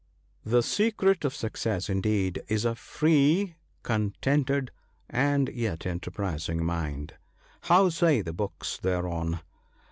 " The secret of success, indeed, is a free, contented, and yet enterprising mind. How say the books thereon